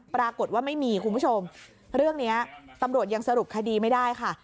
ปรากฏว่าไม่มีคุณผู้ชมเรื่องนี้ตำรวจยังสรุปคดีไม่ได้ค่ะ